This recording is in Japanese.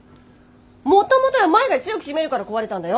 もともとはマヤが強く閉めるから壊れたんだよ。